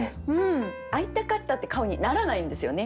会いたかったって顔にならないんですよね